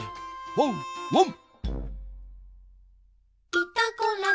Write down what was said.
ワンワン！